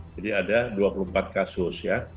jadi ada dua puluh empat kasus